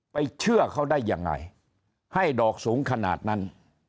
เชื่อเขาได้ยังไงให้ดอกสูงขนาดนั้น